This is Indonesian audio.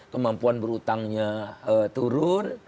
kemampuan berutangnya turun